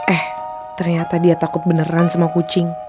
eh ternyata dia takut beneran sama kucing